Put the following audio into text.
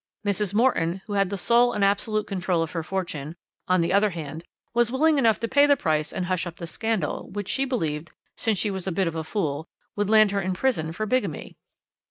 Mrs. Morton, who had the sole and absolute control of her fortune, on the other hand, was willing enough to pay the price and hush up the scandal, which she believed since she was a bit of a fool would land her in prison for bigamy.